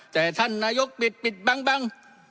แต่ท่านนายกปิดปิดบัง